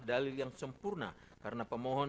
dalil yang sempurna karena pemohon